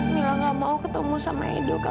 mila gak mau ketemu sama edo